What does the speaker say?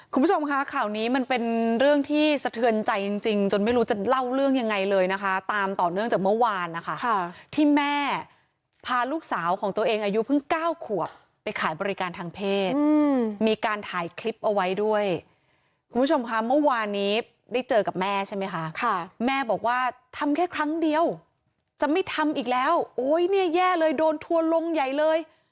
คุณผู้ชมคะข่าวนี้มันเป็นเรื่องที่สะเทือนใจจริงจริงจนไม่รู้จะเล่าเรื่องยังไงเลยนะคะตามต่อเนื่องจากเมื่อวานนะคะที่แม่พาลูกสาวของตัวเองอายุเพิ่งเก้าขวบไปขายบริการทางเพศมีการถ่ายคลิปเอาไว้ด้วยคุณผู้ชมค่ะเมื่อวานนี้ได้เจอกับแม่ใช่ไหมคะค่ะแม่บอกว่าทำแค่ครั้งเดียวจะไม่ทำอีกแล้วโอ้ยเนี่ยแย่เลยโดนทัวร์ลงใหญ่เลย